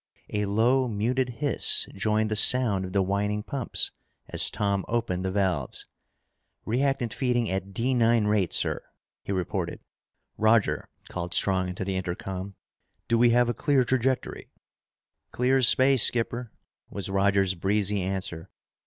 A low muted hiss joined the sound of the whining pumps as Tom opened the valves. "Reactant feeding at D 9 rate, sir," he reported. "Roger," called Strong into the intercom, "do we have a clear trajectory?" "Clear as space, skipper!" was Roger's breezy answer.